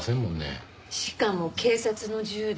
しかも警察の銃で。